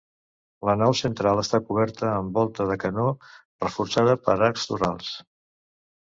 La nau central està coberta amb volta de canó reforçada per arcs torals.